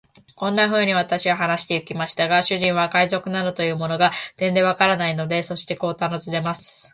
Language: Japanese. こんなふうに私は話してゆきましたが、主人は海賊などというものが、てんでわからないのでした。そしてこう尋ねます。